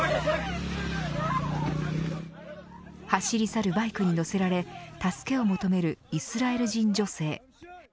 走り去るバイクに乗せられ助けを求めるイスラエル人女性。